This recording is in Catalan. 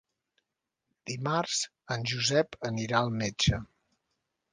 Dimarts en Josep anirà al metge.